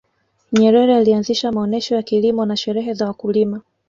nyerere alianzisha maonesho ya kilimo na sherehe za wakulima